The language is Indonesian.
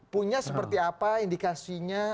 punya seperti apa indikasinya